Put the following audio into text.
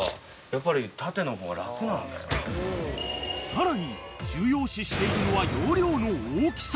［さらに重要視しているのは容量の大きさ］